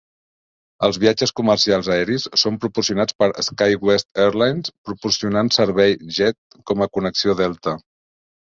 Els viatges comercials aeris són proporcionats per SkyWest Airlines, proporcionant servei Jet com a connexió Delta.